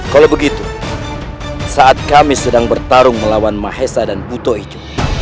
kalau begitu saat kami sedang bertarung melawan mahesa dan buto ijo